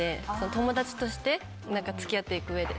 友達として付き合っていくうえで。